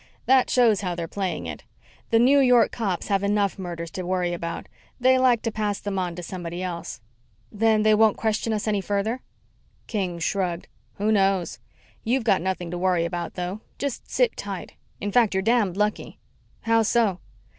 "That shows how they're playing it. The New York cops have enough murders to worry about. They like to pass them on to somebody else." "Then they won't question us any further?" King shrugged. "Who knows? You've got nothing to worry about, though. Just sit tight. In fact, you're damned lucky." "How so?"